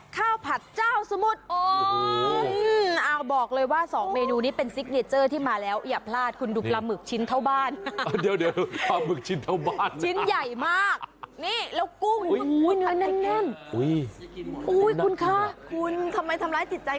ข้าวและข้าวผัดเจ้าสมุด